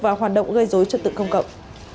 và hoạt động gây dối cho tự công cộng